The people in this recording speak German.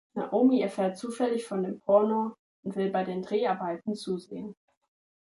Naomi erfährt zufällig von dem Porno und will bei den Dreharbeiten zusehen.